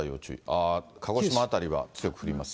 あー、鹿児島辺りは強く降ります